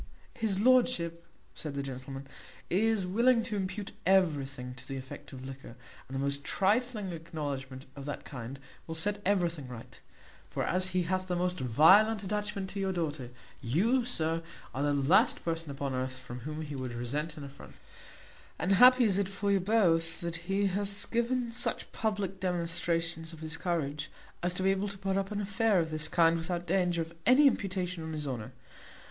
"His lordship," said the gentleman, "is willing to impute everything to the effect of liquor, and the most trifling acknowledgment of that kind will set everything right; for as he hath the most violent attachment to your daughter, you, sir, are the last person upon earth from whom he would resent an affront; and happy is it for you both that he hath given such public demonstrations of his courage as to be able to put up an affair of this kind without danger of any imputation on his honour.